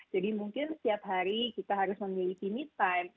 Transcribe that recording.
jadi mungkin setiap hari kita harus memiliki me time